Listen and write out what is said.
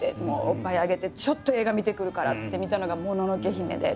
おっぱいあげて「ちょっと映画見てくるから」っつって見たのが「もののけ姫」で。